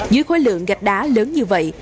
dưới khối lượng gạch đá lớn như vậy